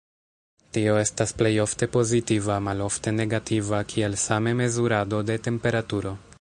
Tio estas plej ofte pozitiva, malofte negativa, kiel same mezurado de temperaturo.